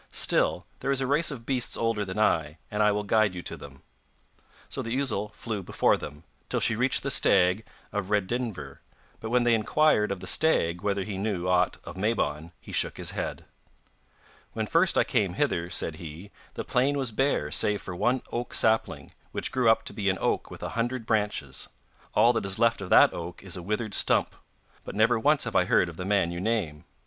Still, there is a race of beasts older than I, and I will guide you to them.' So the ousel flew before them, till she reached the stag of Redynvre; but when they inquired of the stag whether he knew aught of Mabon he shook his head. 'When first I came hither,' said he, 'the plain was bare save for one oak sapling, which grew up to be an oak with a hundred branches. All that is left of that oak is a withered stump, but never once have I heard of the man you name.